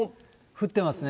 降ってますね。